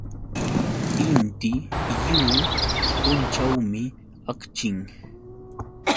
Inti lliw punćhawmi akchin.